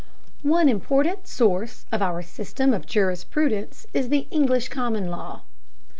One important source of our system of jurisprudence is the English common law.